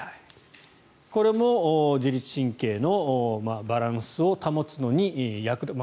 これも自律神経のバランスを保つのに役立つ。